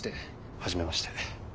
初めまして。